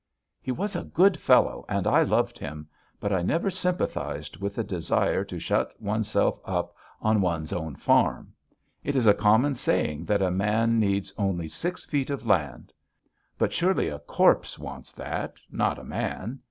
"He was a good fellow and I loved him, but I never sympathised with the desire to shut oneself up on one's own farm. It is a common saying that a man needs only six feet of land. But surely a corpse wants that, not a man.